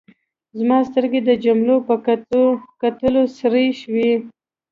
زما سترګې د جملو په کتلو سرې شوې.